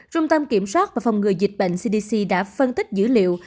trung tâm kiểm soát và phòng ngừa dịch bệnh cdc đã phân tích dữ liệu